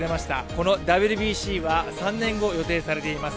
このＷＢＣは３年後、予定されています。